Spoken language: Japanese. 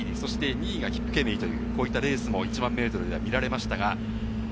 ２位がキップケメイという１００００ｍでも見られました。